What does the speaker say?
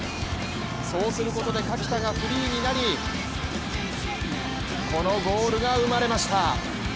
そうすることで垣田がフリーになり、このゴールが生まれました。